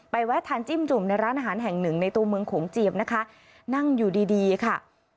แวะทานจิ้มจุ่มในร้านอาหารแห่งหนึ่งในตัวเมืองโขงเจียบนะคะนั่งอยู่ดีดีค่ะ